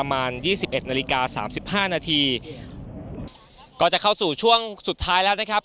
นาทีก็จะเข้าสู่ช่วงสุดท้ายแล้วนะครับ